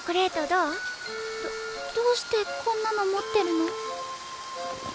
どどうしてこんなの持ってるの？